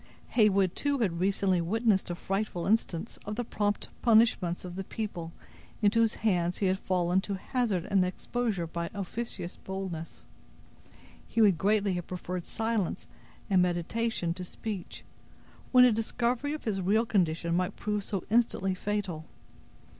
Heyward had too recently witnessed a frightful instance of the prompt punishments of the people into whose hands he had fallen to hazard an exposure by any officious boldness. He would greatly have preferred silence and meditation to speech, when a discovery of his real condition might prove so instantly fatal.